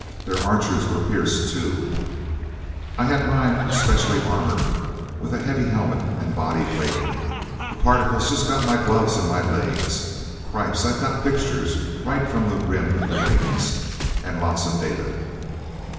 Their Archers were pierced too. I had mine specially armored, with a heavy helmet and body plating... The particles just got my gloves and my legs. Cripes, I got pictures right from the rim of the Rings! And lots of data..."